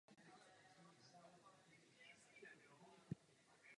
Byl usvědčen z celkem šesti vražd.